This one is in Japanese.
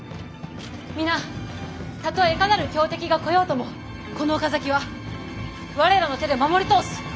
皆たとえいかなる強敵が来ようともこの岡崎は我らの手で守り通す。